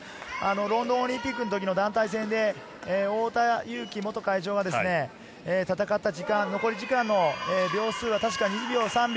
ロンドンオリンピックの時の団体戦で太田雄貴元会長が戦った時間、残り時間の秒数は確か２秒、３秒。